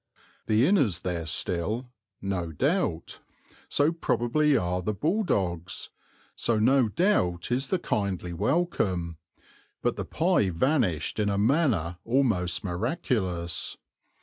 The inn is there still no doubt; so probably are the bulldogs; so no doubt is the kindly welcome; but the pie vanished in a manner almost miraculous.